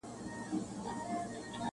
• کلونه وروسته هم يادېږي تل..